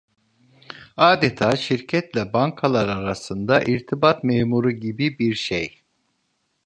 Adeta şirketle bankalar arasında irtibat memuru gibi bir şey…